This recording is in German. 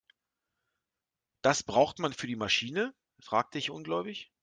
Das braucht man für die Maschine?, fragte ich ungläubig.